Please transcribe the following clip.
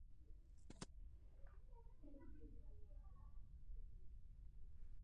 د سړک نښې د موټروانو لارښودوي.